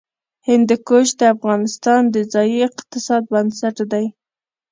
هندوکش د افغانستان د ځایي اقتصادونو بنسټ دی.